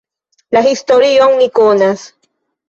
La historion ni konas.